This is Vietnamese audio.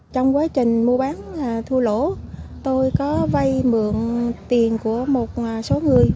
trong quá trình mua bán thua lỗ tôi có vay mượn tiền của một số người